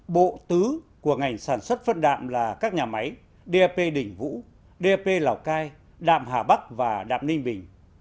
bộ tứ của ngành sản xuất phân đạm là các nhà máy dap đỉnh vũ dp lào cai đạm hà bắc và đạm ninh bình